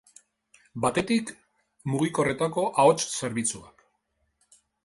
Batetik, mugikorretako ahots-zerbitzuak.